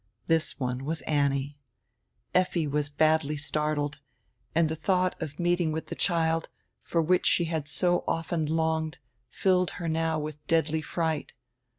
This one was Annie. Effi was badly startled, and the thought of a meeting with the child, for which she had so often longed, filled her now with deadly fright.